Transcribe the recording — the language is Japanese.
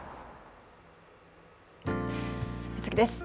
次です。